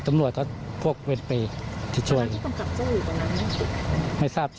ตำรวจเขาไม่รู้มีชั้นทำกลับ